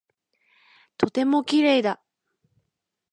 とても綺麗だ。